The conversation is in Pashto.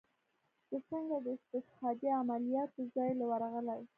چې سنګه د استشهاديه عملياتو زاى له ورغلې.